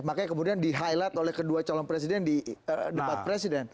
makanya kemudian di highlight oleh kedua calon presiden di debat presiden